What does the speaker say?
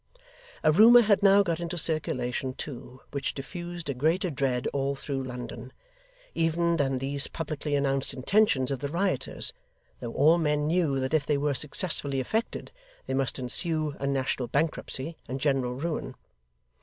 A rumour had now got into circulation, too, which diffused a greater dread all through London, even than these publicly announced intentions of the rioters, though all men knew that if they were successfully effected, there must ensue a national bankruptcy and general ruin.